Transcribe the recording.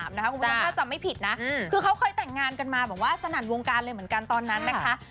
คุณผู้ชมถ้าจำไม่ผิดนะคือเขาเคยแต่งงานกันมาแบบว่าสนั่นวงการเลยเหมือนกันตอนนั้นนะคะ